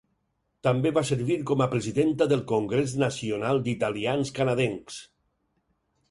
També va servir com a presidenta del Congrés nacional d'italians canadencs.